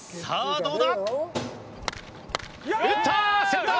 どうだ？